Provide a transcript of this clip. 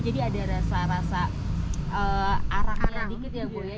jadi ada rasa rasa arangnya sedikit ya bu ya